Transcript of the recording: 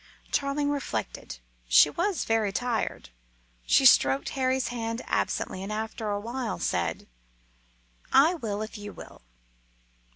Charling reflected. She was very tired. She stroked Harry's hand absently, and after a while said "I will if you will."